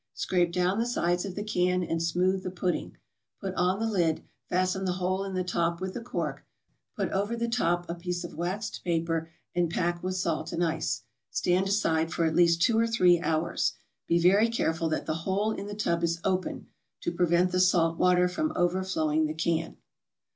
Scrape down the sides of the can, and smooth the pudding. Put on the lid, fasten the hole in the top with a cork, put over the top a piece of waxed paper, and pack with salt and ice. Stand aside for at least two or three hours. Be very careful that the hole in the tub is open, to prevent the salt water from overflowing the can.